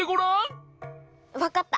わかった。